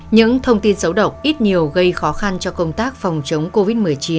những thông tin xấu độc ít nhiều gây khó khăn cho công tác phòng chống covid một mươi chín